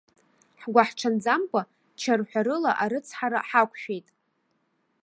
Ҳгәаҳҽанӡамкәа, чарҳәарыла арыцҳара ҳақәшәеит.